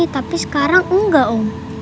tapi sekarang enggak om